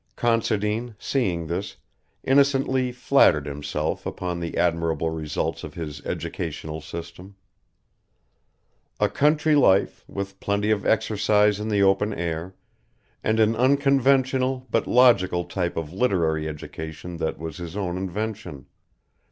Considine, seeing this, innocently flattered himself upon the admirable results of his educational system. A country life, with plenty of exercise in the open air, and an unconventional but logical type of literary education that was his own invention.